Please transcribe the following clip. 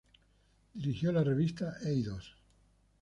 Dirigió la revista "Eidos.